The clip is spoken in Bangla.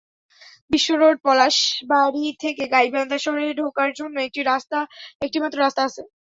বিশ্বরোড পলাশবাড়ী থেকে গাইবান্ধা শহরে ঢোকার জন্য একটি মাত্র রাস্তা আছে।